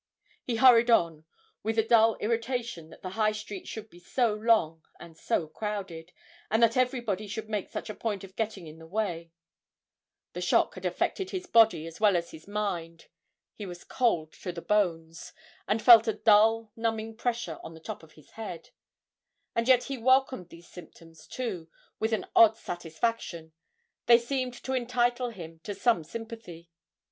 He hurried on, with a dull irritation that the High Street should be so long and so crowded, and that everybody should make such a point of getting in the way; the shock had affected his body as well as his mind; he was cold to the bones, and felt a dull numbing pressure on the top of his head; and yet he welcomed these symptoms, too, with an odd satisfaction; they seemed to entitle him to some sympathy.